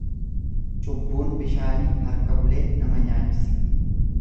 Cubbuun bishaanii harka buleen nama nyaachisa.